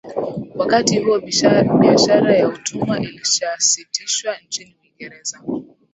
Wakati huo biashara ya utumwa ilishasitishwa nchini Uingireza